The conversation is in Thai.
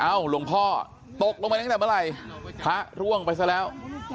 หลวงพ่อตกลงไปตั้งแต่เมื่อไหร่พระร่วงไปซะแล้ว